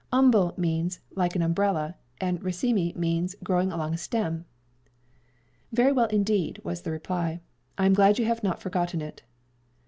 "'Umbel' means 'like an umbrella,' and 'raceme' means 'growing along a stem.'" "Very well indeed!" was the reply; "I am glad you have not forgotten it.